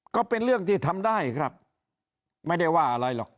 ก็เป็นเรื่องที่ทำได้ครับไม่ได้ว่าอะไรหรอก